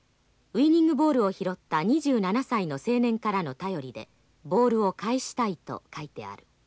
ウイニングボールを拾った２７歳の青年からの便りでボールを返したいと書いてある。